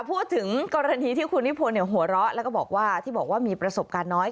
พูดถึงกรณีที่คุณนิพนธ์หัวเราะแล้วก็บอกว่าที่บอกว่ามีประสบการณ์น้อย